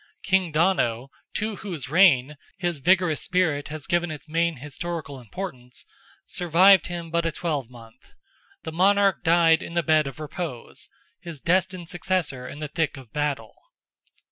King Donogh, to whose reign his vigorous spirit has given its main historical importance, survived him but a twelvemonth; the Monarch died in the bed of repose; his destined successor in the thick of battle.